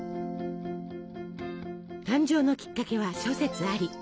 誕生のきっかけは諸説あり。